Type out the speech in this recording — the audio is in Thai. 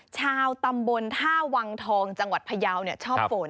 ชาวตำบลท่าวังทองจังหวัดพยาวชอบฝน